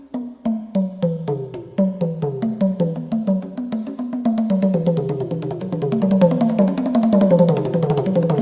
หลายหลายหลายหลายหลายหลายหลายหลายหลายหลายหลาย